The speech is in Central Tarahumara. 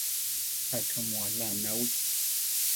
¿Achá mu alá anáwiki?